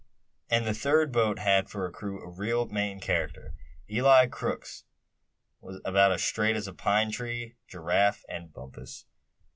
And the third boat had for a crew a real Maine character, Eli Crookes, about as straight as a pine tree; Giraffe, and Bumpus.